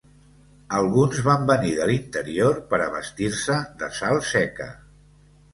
Alguns van venir de l'interior per abastir-se de sal seca.